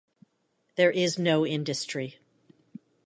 There is no industry.